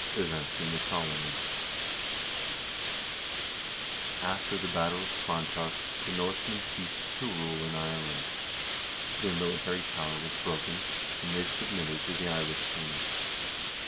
Events in the Colonies After the battle of Clontarf the Norsemen ceased to rule in Ireland. Their military power was broken, and they submitted to the Irish kings.